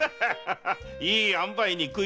いいあんばいに食いついた。